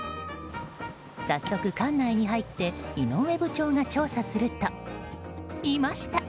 早速、館内に入って井上部長が調査するといました！